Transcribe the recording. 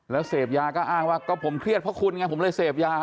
แล้วเสพยาก็อ้างว่าก็ผมเครียดเพราะคุณไงผมเลยเสพยา